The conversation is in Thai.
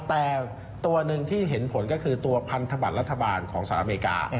แต่ตัวหนึ่งที่เห็นผลก็คือตัวพันธบัตรรัฐบาลของสหรัฐอเมริกา